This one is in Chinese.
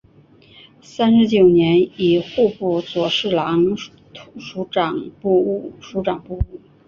三十九年以户部左侍郎署掌部务。